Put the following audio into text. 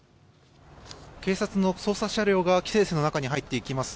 警察の捜査車両が規制線の中に入っていきます。